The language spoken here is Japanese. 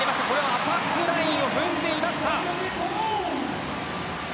アタックラインを踏んでいました。